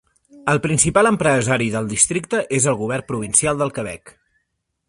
El principal empresari del districte és el govern provincial del Quebec.